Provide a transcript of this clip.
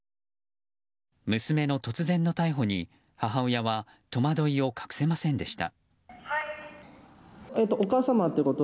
娘の突然の逮捕に母親は戸惑いを隠せませんでした。